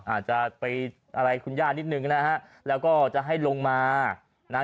อาจจะไปอะไรคุณย่านิดนึงนะฮะแล้วก็จะให้ลงมานะฮะ